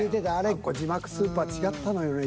字幕スーパー違ったのよね